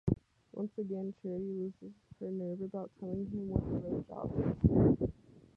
Once again, Charity loses her nerve about telling him what her real job is.